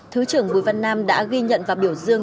thứ trưởng bùi văn nam đã ghi nhận và biểu dương